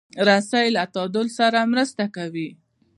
رسۍ له تعادل سره مرسته کوي.